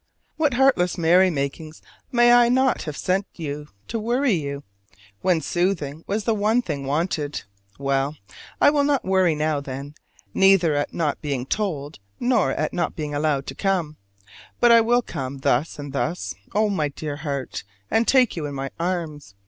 What heartless merrymakings may I not have sent you to worry you, when soothing was the one thing wanted? Well, I will not worry now, then; neither at not being told, nor at not being allowed to come: but I will come thus and thus, O my dear heart, and take you in my arms.